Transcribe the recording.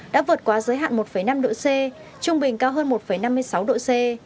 đã vượt qua giới hạn một năm độ c trung bình cao hơn một năm mươi sáu độ c